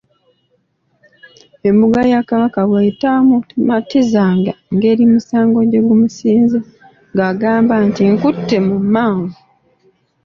"Embuga ya Kabaka bw’etaamumatizanga ngeri musango gye gumusinze ng’agamba nti, “nkutte mu mmanvu.” "